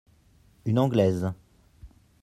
Une Anglaise.